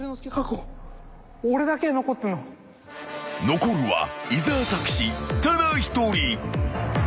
残るは伊沢拓司、ただ１人。